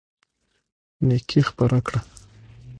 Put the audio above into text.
نيکي خپره کړه.